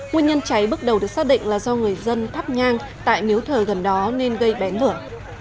nguyên nhân cháy bước đầu được xác định là do người dân thắp nhang tại miếu thờ gần đó nên gây bén lửa